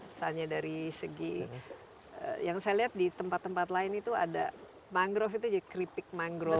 misalnya dari segi yang saya lihat di tempat tempat lain itu ada mangrove itu jadi keripik mangrove